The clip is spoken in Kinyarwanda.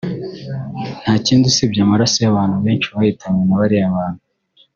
nta kindi usibye amaraso y’abantu benshi bahitanywe n’abariya bantu